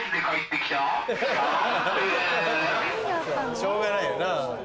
しょうがないよな。